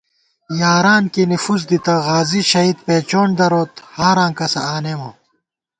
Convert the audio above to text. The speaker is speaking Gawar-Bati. یاران کېنےفُس دِتہ، غازی شہید پېچونڈ دروت ہاراں کسہ آنېمہ